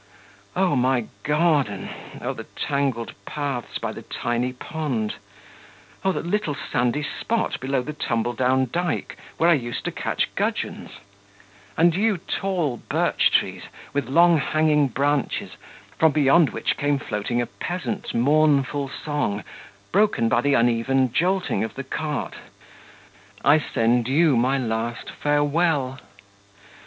Oh, my garden, oh, the tangled paths by the tiny pond! Oh, the little sandy spot below the tumbledown dike, where I used to catch gudgeons! And you tall birch trees, with long hanging branches, from beyond which came floating a peasant's mournful song, broken by the uneven jolting of the cart, I send you my last farewell!...